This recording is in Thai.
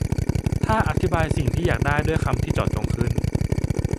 ถ้าอธิบายสิ่งที่อยากได้ด้วยคำที่เจาะจงขึ้น